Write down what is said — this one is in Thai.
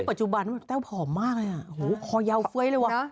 ลูกปัจจุบันเต้าผอมมากเลยขอยาวเฟ้ยเลยวะ